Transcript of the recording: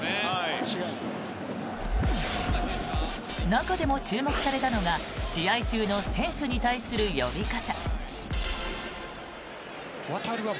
中でも注目されたのが試合中の選手に対する呼び方。